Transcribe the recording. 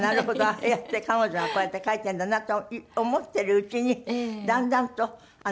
ああやって彼女がこうやって書いているんだなと思ってるうちにだんだんと。